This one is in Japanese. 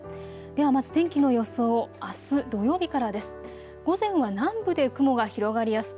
ではまず天気の予想、あす土曜日からです。